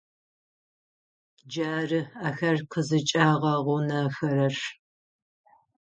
Джары ахэр къызыкӏагъэгъунэхэрэр.